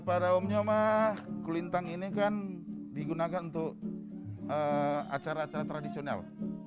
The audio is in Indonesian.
pada umumnya mah kulintang ini kan digunakan untuk acara acara tradisional